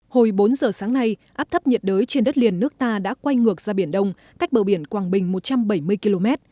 hồi bốn giờ sáng nay áp thấp nhiệt đới trên đất liền nước ta đã quay ngược ra biển đông cách bờ biển quảng bình một trăm bảy mươi km